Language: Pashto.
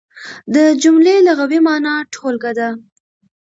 د جملې لغوي مانا ټولګه ده.